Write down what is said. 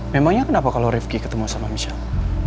memangnya kenapa kalo rifqi ketemu sama michelle